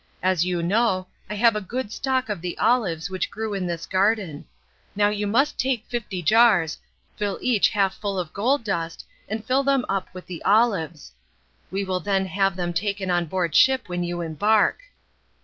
As you know, I have a good stock of the olives which grew in this garden. Now you must take fifty jars, fill each half full of gold dust and fill them up with the olives. We will then have them taken on board ship when you embark."